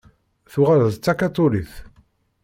Tuɣal d takaṭulit.